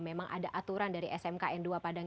memang ada aturan dari smkn dua padang